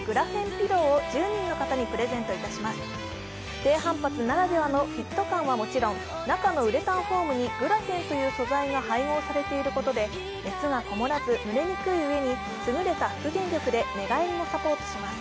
低反発ならではのフィット感はもちろん中のウレタンフォームにグラフェンという素材が配合されていることで熱がこもらず蒸れにくいうえに優れた復元力で寝返りもサポートします。